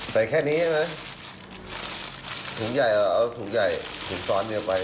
ใส่แค่นี้ใช่ไหมถุงใหญ่หรือเอาถุงใหญ่ถุงซ้อนเนื้อไป